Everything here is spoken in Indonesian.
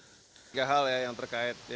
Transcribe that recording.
tiga hal yang terkait